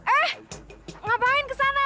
eh ngapain kesana